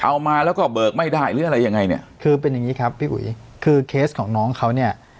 เอามาแล้วก็เบิกไม่ได้หรืออะไรยังไงเนี่ยคือเป็นอย่างงี้ครับพี่อุ๋ยคือเคสของน้องเขาเนี่ย